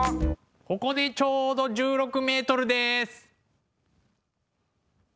ここでちょうど１６ｍです。